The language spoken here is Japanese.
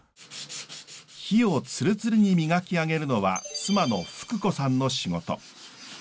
杼をツルツルに磨き上げるのは妻の富久子さんの仕事。